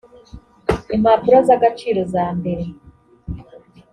impapuro z agaciro zambere